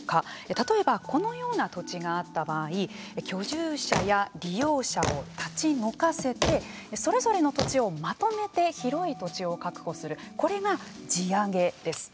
例えば、このような土地があった場合居住者や利用者を立ち退かせてそれぞれの土地をまとめて広い土地を確保するこれが地上げです。